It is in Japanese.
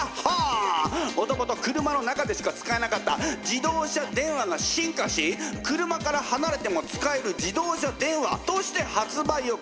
もともと車の中でしか使えなかった自動車電話が進化し「車から離れても使える自動車電話」として発売を開始。